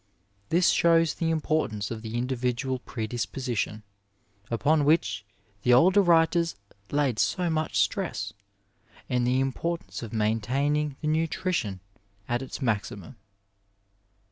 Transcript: This sho¥^ the importance of the individual predisposition, upon which the older writers laid so much stress, and the importance of maint>aining the nutrition at its maximum.